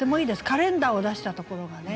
カレンダーを出したところがね。